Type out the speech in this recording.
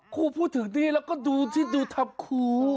ครูพูดถึงนี่แล้วก็ดูที่ดูทับครู